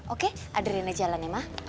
oke adriana jalan ya mah